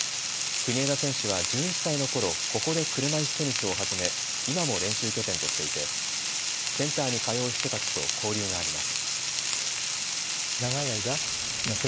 国枝選手は１１歳のころここで車いすテニスを始め今も練習拠点としていてセンターに通う人たちと交流があります。